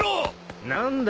何だ？